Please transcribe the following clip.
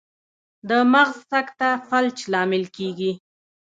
د مغز سکته فلج لامل کیږي